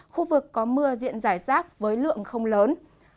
khu vực có mưa diện giải rác với lượng không lớn